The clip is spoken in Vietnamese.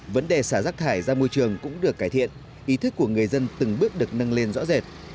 vấn đề xả rác thải ra môi trường cũng được cải thiện ý thức của người dân từng bước được nâng lên rõ rệt